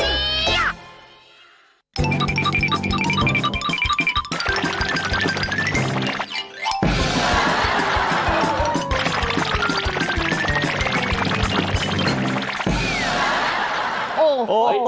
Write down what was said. สกิดยิ้ม